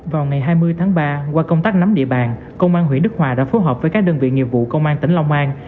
vào ngày hai mươi tháng ba qua công tác nắm địa bàn công an huyện đức hòa đã phối hợp với các đơn vị nghiệp vụ công an tỉnh long an